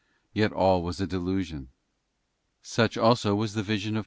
§ Yet all was a delusion. Such also was the vision of * Exod, xl.